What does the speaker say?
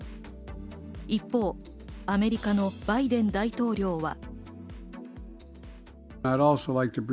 一方、アメリカのバイデン大統領は。